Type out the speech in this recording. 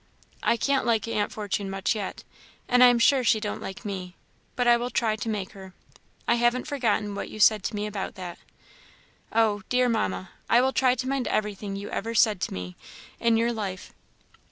I can't like Aunt Fortune much yet, and I am sure she don't like me; but I will try to make her. I have not forgotten what you said to me about that! Oh! dear Mamma, I will try to mind everything you ever said to me in your life.